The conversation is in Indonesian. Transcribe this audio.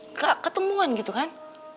nggak ketemuan gitu kan